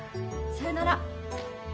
「さよなら」